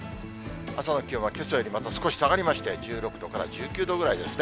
朝の気温はけさよりまた少し下がりまして、１６度から１９度ぐらいですね。